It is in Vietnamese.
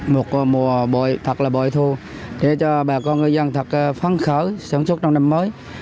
mùa thật là bội thu để cho bà con ngư dân thật phân khởi sản xuất trong năm mới